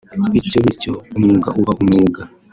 bityo bityo… umwuga uba umwuga